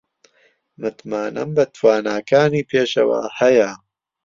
متمانەم بە تواناکانی پێشەوا هەیە.